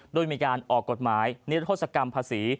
โดยมีการออกกฎหมายนิรโทษกรรมภาษี